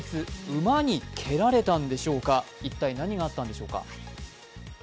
馬に蹴られたんでしょうか一体何があったんでしょうか。